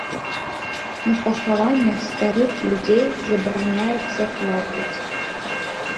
На пахаваннях старых людзей забараняецца плакаць.